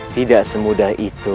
tidak semudah itu